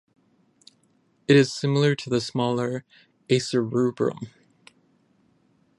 It is similar to the smaller "Acer rubrum".